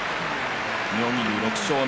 妙義龍、６勝目。